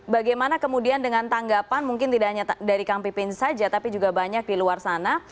bagaimana kemudian dengan tanggapan mungkin tidak hanya dari kang pipin saja tapi juga banyak di luar sana